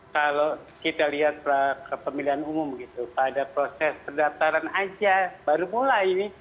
kalau kita lihat ke pemilihan umum pada proses perdaptaran aja baru mulai